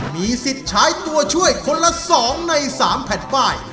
มีสิทธิ์ใช้ตัวช่วยคนละ๒ใน๓แผ่นป้าย